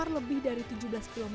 nulis dan bertobat did bishop semua om